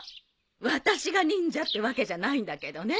私が忍者ってわけじゃないんだけどね。